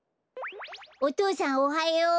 お父さんおはよう。